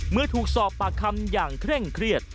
เมื่อถูกสอบปากคำอย่างเคร่งเครียด